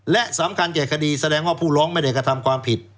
และสำคัญแก่คดีแสดงว่าผู้ร้องไม่ได้กระทำความผิด